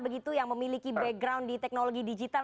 begitu yang memiliki background di teknologi digital